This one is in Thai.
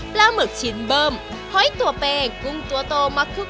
ปลาหมึกชินเบิ่มห้อยตัวเปงกุ้งตัวโตมาครึ่ง